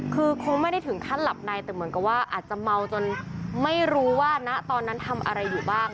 คือคงไม่ได้ถึงขั้นหลับในแต่เหมือนกับว่าอาจจะเมาจนไม่รู้ว่าณตอนนั้นทำอะไรอยู่บ้าง